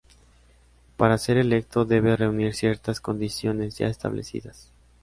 Para ser electo, debe reunir ciertas condiciones ya establecidas.